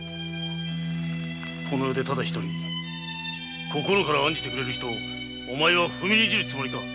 この世で心から案じてくれる人をお前は踏みにじるつもりか。